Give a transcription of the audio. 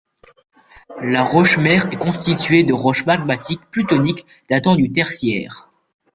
La roche-mère est constituée de roche magmatique plutonique datant du tertiaire.